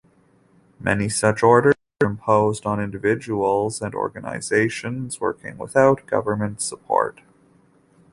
Many such orders were imposed on individuals and organizations working without government support.